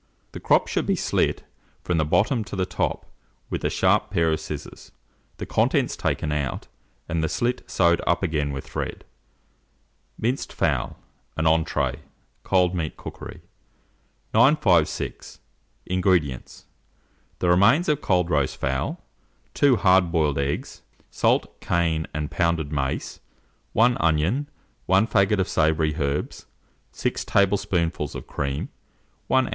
The crop should be slit from the bottom to the top with a sharp pair of scissors, the contents taken out, and the slit sewed up again with line white thread. MINCED FOWL an Entree (Cold Meat Cookery). 956. INGREDIENTS. The remains of cold roast fowl, 2 hard boiled eggs, salt, cayenne, and pounded mace, 1 onion, 1 faggot of savoury herbs, 6 tablespoonfuls of cream, 1 oz.